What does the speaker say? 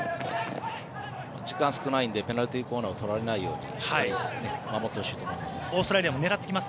時間が少ないのでペナルティーコーナーを取られないようにしっかり守ってほしいと思います。